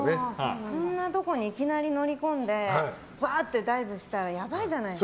そんなとこにいきなり乗り込んでわーってダイブしたらやばいじゃないですか。